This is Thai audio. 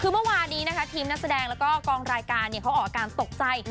คือเมื่อวานนี้นะคะทีมนักแสดงแล้วก็กองรายการเขาออกอาการตกใจ